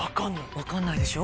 分かんないでしょ？